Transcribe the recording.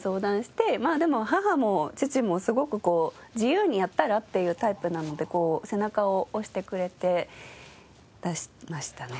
まあでも母も父もすごく自由にやったらっていうタイプなので背中を押してくれて出しましたね。